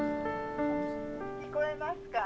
「聞こえますか？」。